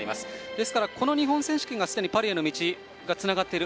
ですから、この日本選手権がすでにパリへの道がつながっている。